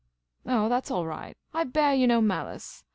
" Oh. that 's all right. I bear yah no malice.